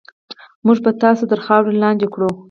موږ به تاسې تر خاورو لاندې کړو.